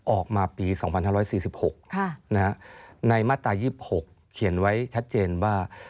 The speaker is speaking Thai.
ออกมาปี๒๕๔๖ในมาตรา๒๖เขียนไว้ชัดเจนว่า